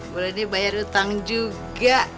boleh dia bayar utang juga